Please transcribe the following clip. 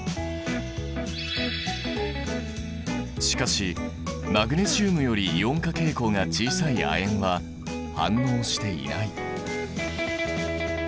しかしマグネシウムよりイオン化傾向が小さい亜鉛は反応していない。